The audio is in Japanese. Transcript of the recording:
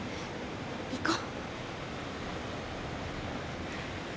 行こう。